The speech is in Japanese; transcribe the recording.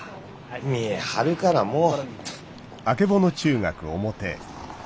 見え張るからもう。